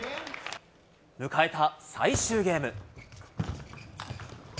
迎えた最終ゲーム。